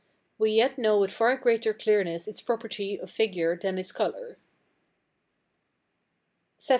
] we yet know with far greater clearness its property of figure than its colour. LXX.